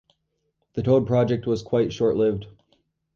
The Toad project was quite short-lived.